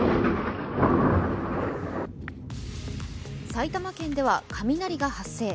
埼玉県では雷が発生。